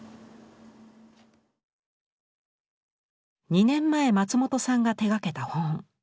２年前松本さんが手がけた本。